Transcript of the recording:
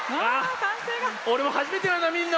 俺も初めてなんだ見るの。